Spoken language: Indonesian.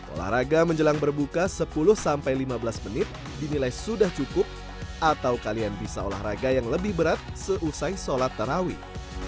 olahraga menjelang berbuka sepuluh sampai lima belas menit dinilai sudah cukup atau kalian bisa olahraga yang lebih berat seusai sholat tarawih